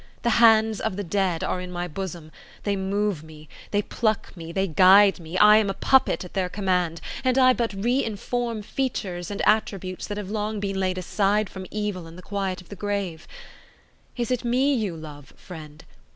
The hands of the dead are in my bosom; they move me, they pluck me, they guide me; I am a puppet at their command; and I but reinform features and attributes that have long been laid aside from evil in the quiet of the grave. Is it me you love, friend?